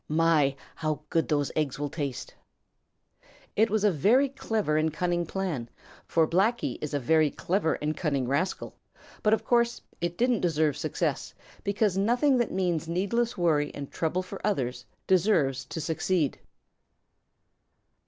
My, how good those eggs will taste!" It was a very clever and cunning plan, for Blacky is a very clever and cunning rascal, but of course it didn't deserve success because nothing that means needless worry and trouble for others deserves to succeed.